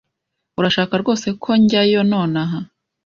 Urashaka rwose ko njyayo nonaha?